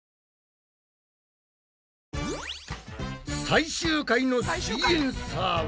最終回の「すイエんサー」は？